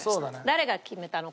誰が決めたの？